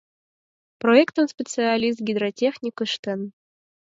Проектым специалист-гидротехник ыштен.